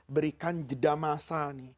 berikan jeda masa